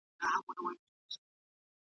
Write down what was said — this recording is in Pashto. هغه داستاني اثر وڅېړئ!